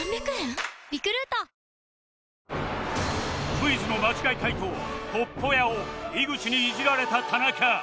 クイズの間違い解答『鉄道員』を井口にいじられた田中